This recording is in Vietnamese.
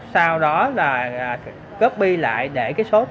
sau đó là copy lại để số tài khoản